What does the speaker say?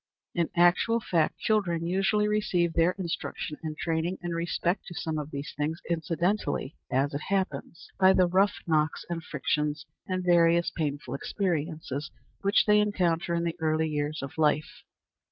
In actual fact, children usually receive their instruction and training in respect to some of these things incidentally as it happens by the rough knocks and frictions, and various painful experiences which they encounter in the early years of life.